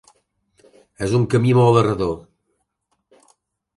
És un camí molt errador.